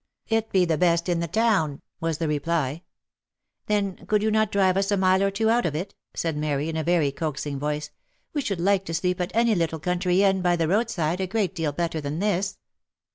" It be the best in the town," was the reply. " Then could you not drive us a mile or two out of it ?" said Mary, in a very coaxing voice. " We should like to sleep at any little country inn by the roadside a great deal better than this."